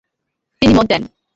তিনি মত দেন।